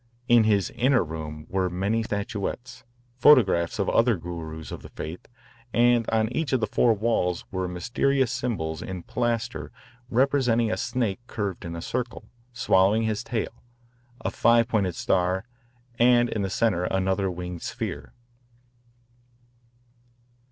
In his inner room were many statuettes, photographs of other Gurus of the faith, and on each of the four walls were mysterious symbols in plaster representing a snake curved in a circle, swallowing his tail, a five pointed star, and in the centre another winged sphere.